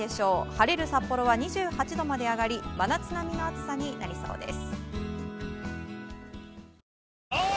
晴れる札幌は２８度まで上がり真夏並みの暑さになりそうです。